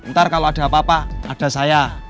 ntar kalau ada apa apa ada saya